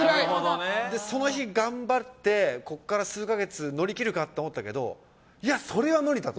その日、頑張ってここから数か月乗り切るかって思ったけどそれは無理だと。